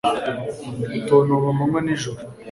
gutontoma amanywa n'ijoro